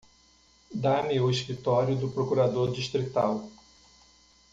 Dá-me o escritório do Procurador Distrital.